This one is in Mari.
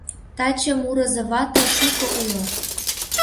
— Таче мурызо вате шуко уло.